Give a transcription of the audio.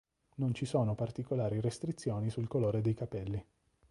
Non ci sono particolari restrizioni sul colore dei capelli.